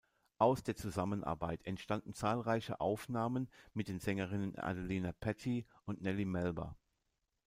Aus der Zusammenarbeit entstanden zahlreiche Aufnahmen mit den Sängerinnen Adelina Patti und Nellie Melba.